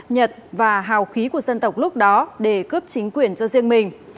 nhật và hào khí của dân tộc lúc đó để cướp chính quyền cho riêng mình